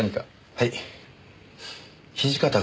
はい？